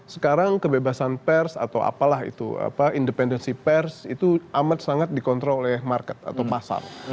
sekarang kebebasan pers atau apalah itu independensi pers itu amat sangat dikontrol oleh market atau pasar